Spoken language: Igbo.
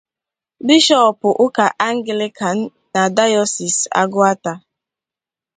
Bishọọpụ ụka Angịlịkan na Dayọsiisi Agụata